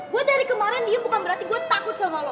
gue dari kemarin dia bukan berarti gue takut sama lo